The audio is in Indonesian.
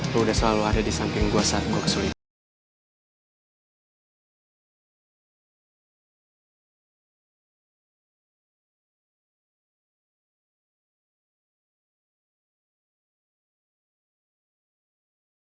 lo udah selalu ada di samping gue saat gue kesulitan